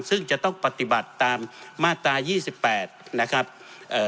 ซึ่งจะต้องปฏิบัติตามมาตรายี่สิบแปดนะครับเอ่อ